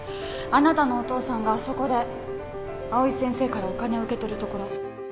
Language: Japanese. あなたのお父さんがあそこで蒼井先生からお金を受け取るところ。